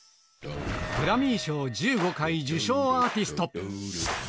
グラミー賞１５回受賞アーティスト。